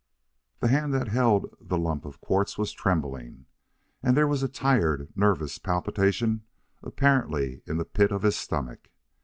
The hand that held the lump of quartz was trembling, and there was a tired, nervous palpitation apparently in the pit of his stomach.